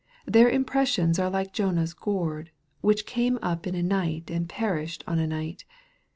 Their impressions are like Jonah's gourd, which came up in a night and perished in a night.